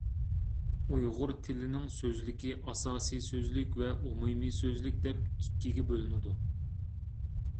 ئۇيغۇر تىلىنىڭ سۆزلۈكى ئاساسىي سۆزلۈك ۋە ئومۇمىي سۆزلۈك دەپ ئىككىگە بۆلۈنىدۇ.